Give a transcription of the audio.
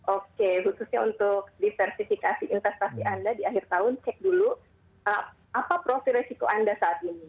oke khususnya untuk diversifikasi investasi anda di akhir tahun cek dulu apa profil resiko anda saat ini